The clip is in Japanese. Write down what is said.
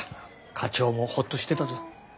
課長もホッとしてたぞ。